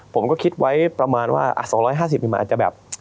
ผมก็คิดไว้ประมาณว่า๒๕๐นี่มันอาจจะแบบ